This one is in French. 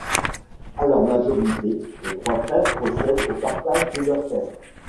À leur majorité, les trois frères procèdent au partage de leurs terres.